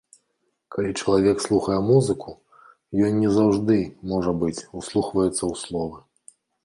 Калі чалавек слухае музыку, ён не заўжды, можа быць, услухваецца ў словы.